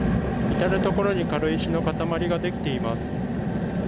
至る所に軽石の固まりが出来ています。